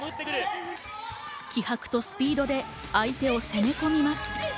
気迫とスピードで相手に攻め込みます。